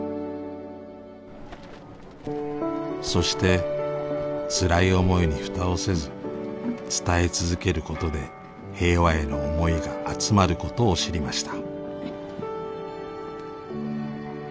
そしてつらい思いにフタをせず伝え続けることで平和への思いが集まることを知りました。